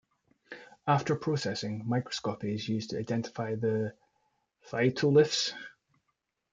After processing, microscopy is used to identify the phytoliths.